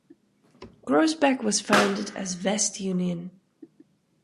Groesbeck was founded as West Union.